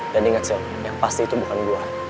dan inget sil yang pasti itu bukan gue